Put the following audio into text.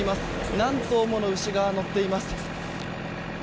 何頭もの牛が載っています。